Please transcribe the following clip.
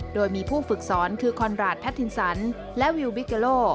โดยมีผู้ฝึกสอนคือคอนราชแททินสันและวิวบิเกโล